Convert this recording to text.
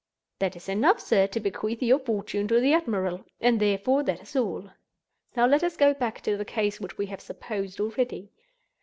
"That is enough, sir, to bequeath your fortune to the admiral; and therefore that is all. Now let us go back to the case which we have supposed already.